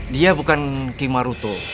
dia bukan kimaruto